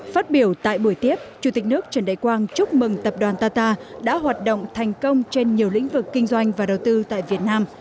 phát biểu tại buổi tiếp chủ tịch nước trần đại quang chúc mừng tập đoàn tata đã hoạt động thành công trên nhiều lĩnh vực kinh doanh và đầu tư tại việt nam